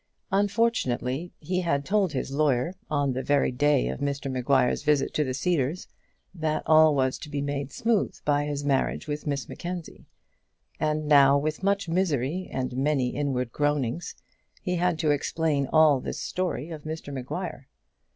Unfortunately, he had told this lawyer, on the very day of Mr Maguire's visit to the Cedars, that all was to be made smooth by his marriage with Miss Mackenzie; and now, with much misery and many inward groanings, he had to explain all this story of Mr Maguire.